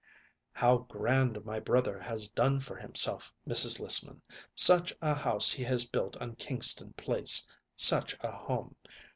"How grand my brother has done for himself, Mrs. Lissman! Such a house he has built on Kingston Place! Such a home!